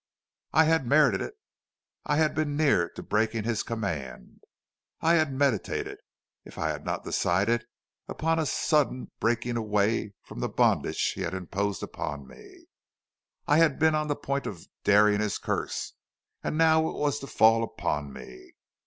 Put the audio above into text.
"I had merited it; I had been near to breaking his command. I had meditated, if I had not decided, upon a sudden breaking away from the bondage he had imposed upon me; I had been on the point of daring his curse, and now it was to fall upon me.